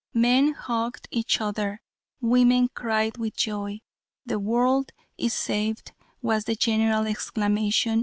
Men hugged each other; women cried with joy. The world is saved, was the general exclamation.